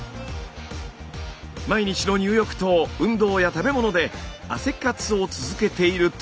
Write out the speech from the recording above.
毎日の入浴と運動や食べ物で汗活を続けていると。